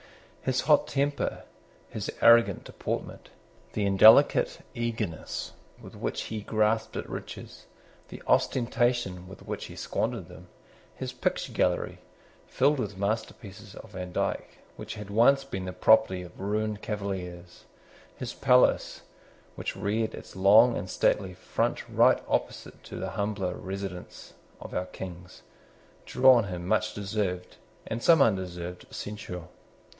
His hot temper, his arrogant deportment, the indelicate eagerness with which he grasped at riches, the ostentation with which he squandered them, his picture gallery, filled with masterpieces of Vandyke which had once been the property of ruined Cavaliers, his palace, which reared its long and stately front right opposite to the humbler residence of our Kings, drew on him much deserved, and some undeserved, censure.